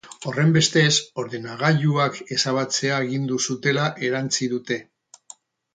Horrenbestez, ordenagailuak ezabatzea agindu zutela erantsi dute.